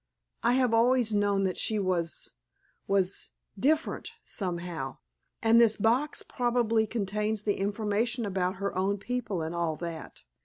I have always known that she was—was—different, somehow, and this box probably contains the information about her own people and all that.